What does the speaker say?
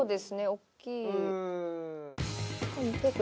大きい。